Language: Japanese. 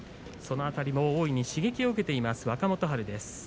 その辺りも大いに刺激を受けています